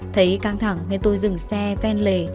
thấy căng thẳng nên tôi dừng xe